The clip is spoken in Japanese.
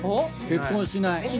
結婚しない。